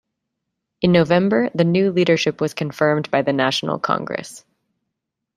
In November, the new leadership was confirmed by the national congress.